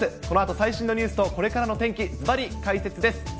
このあと最新のニュースとこれからの天気、ずばり解説です。